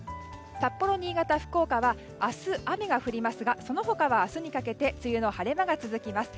札幌、新潟、福岡は明日雨が降りますがその他は明日にかけて梅雨の晴れ間が続きます。